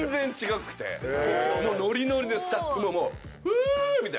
もうノリノリでスタッフも「フゥ！」みたいな。